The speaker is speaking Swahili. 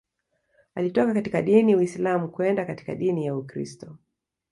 Alitoka katika dini Uislam kwenda katika dini ya Ukristo